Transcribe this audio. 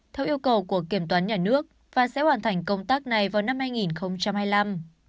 theo yêu cầu của kiểm toán nhà nước và sẽ hoàn thành công tác này vào năm hai nghìn hai mươi năm